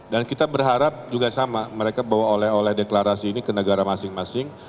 dan kita berharap juga sama mereka bawa oleh oleh deklarasi ini ke negara masing masing